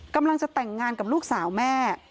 กำลังจะแต่งงานกับลูกสาวแม่